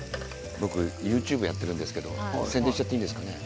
僕、ＹｏｕＴｕｂｅやってるんですけど宣伝しちゃっていいんですかね。